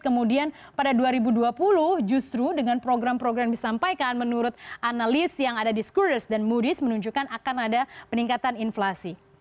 kemudian pada dua ribu dua puluh justru dengan program program yang disampaikan menurut analis yang ada di schooters dan ⁇ oodies menunjukkan akan ada peningkatan inflasi